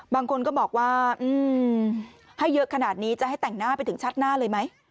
บางคนก็บอกว่าให้เยอะขนาดนี้จะให้แต่งหน้าไปถึงชัดหน้าเลยไหม